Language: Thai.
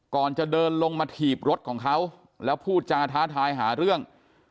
ก่อนจะเดินลงมาถีบรถของเขาแล้วพูดจาท้าทายหาเรื่อง